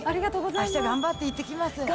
あした頑張って行ってきます。